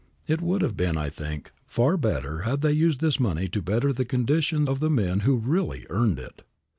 It would have been, I think, far better had they used this money to better the condition of the men who really earned it.